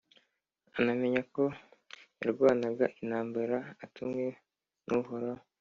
anamenye ko yarwanaga intambara atumwe n’Uhoraho.